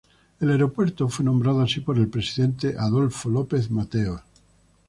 El aeropuerto fue nombrado así por el Presidente Adolfo López Mateos.